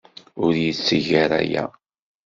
Ur yetteg ara aya.